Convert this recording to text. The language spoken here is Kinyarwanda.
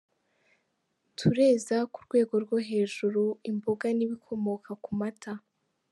Tureza ku rwego rwo hejuru, imboga n’ibikomoka ku mata.